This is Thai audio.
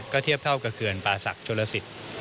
ก็เทียบเท่ากับเคือนปาสักโชลาสิต